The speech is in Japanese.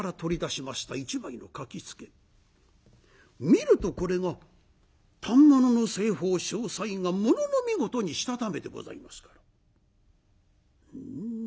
見るとこれが反物の製法詳細がものの見事にしたためてございますから。